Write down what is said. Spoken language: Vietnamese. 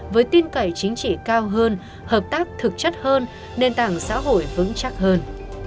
với tin cậy chính trị cao hơn hợp tác thực chất hơn nền tảng xã hội vững chắc hơn